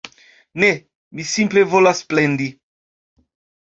Ne, mi simple volas plendi